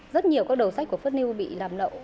rất nhiều các đầu sách của phất niu bị làm lậu